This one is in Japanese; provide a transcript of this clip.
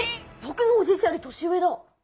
ぼくのおじいちゃんより年上だ。